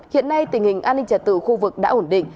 hiện nay tình hình an ninh trật tự khu vực đã ổn định